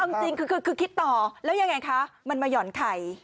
เอาจริงคือคิดต่อแล้วยังไงคะมันมาหย่อนไข่